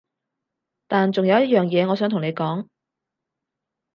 但仲有一樣嘢我想同你講